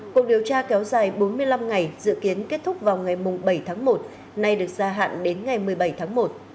cuộc điều tra kéo dài bốn mươi năm ngày dự kiến kết thúc vào ngày bảy tháng một nay được gia hạn đến ngày một mươi bảy tháng một